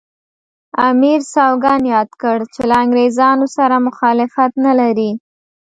امیر سوګند یاد کړ چې له انګریزانو سره مخالفت نه لري.